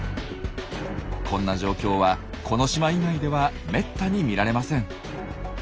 こんな状況はこの島以外ではめったに見られません。